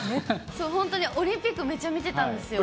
そう、本当にオリンピックめちゃ見てたんですよ。